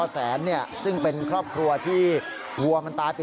สายลูกไว้อย่าใส่